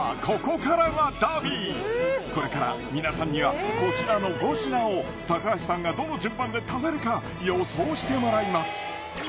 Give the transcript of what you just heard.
ここからがダービーこれから皆さんにはこちらの５品を高橋さんがどの順番で食べるか予想してもらいます